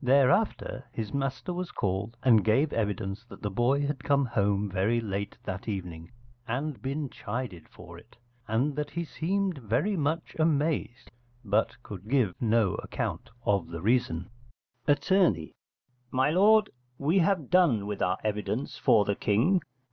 Thereafter his master was called, and gave evidence that the boy had come home very late that evening and been chided for it, and that he seemed very much amazed, but could give no account of the reason. Att. My lord, we have done with our evidence for the King.